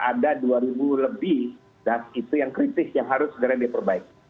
ada dua ribu lebih das itu yang kritis yang harus segera diperbaiki